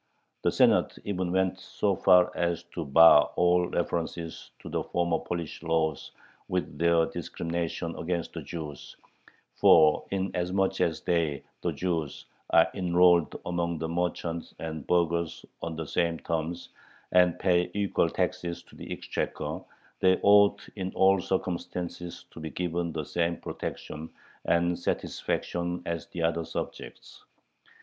The Senate even went so far as to bar all references to the former Polish laws with their discriminations against the Jews, "for, inasmuch as they [the Jews] are enrolled among the merchants and burghers on the same terms, and pay equal taxes to the exchequer, they ought in all circumstances to be given the same protection and satisfaction as the other subjects."